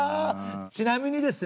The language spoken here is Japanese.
ちなみにですね